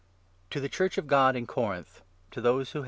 To the Church of God in Corinth, to those who i : Greeting.